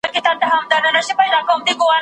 هري ميرمني ته به ځانګړی کور او تجهيزات ورکړل سي.